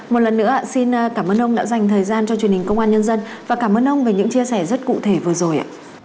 một lần nữa xin cảm ơn ông đã dành thời gian cho truyền hình công an nhân dân và cảm ơn ông về những chia sẻ rất cụ thể vừa rồi ạ